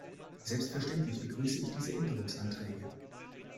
Selbstverständlich begrüße ich diese Änderungsanträge.